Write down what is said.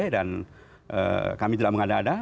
dan kami tidak mengada ada